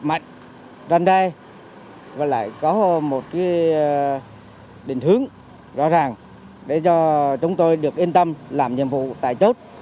mạnh răn đe và lại có một định hướng rõ ràng để cho chúng tôi được yên tâm làm nhiệm vụ tại chốt